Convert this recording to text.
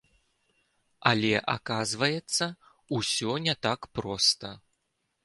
Але, аказваецца, усё не так проста.